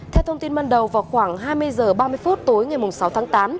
theo thông tin ban đầu vào khoảng hai mươi h ba mươi phút tối ngày sáu tháng tám